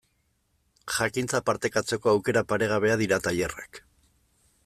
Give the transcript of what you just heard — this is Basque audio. Jakintza partekatzeko aukera paregabea dira tailerrak.